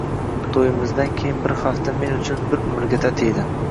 To`yimizdan keyingi bir hafta men uchun bir umrga tatiydi